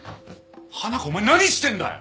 花子お前何してんだよ！？